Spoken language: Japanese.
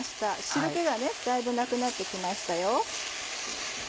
汁気がだいぶなくなって来ましたよ。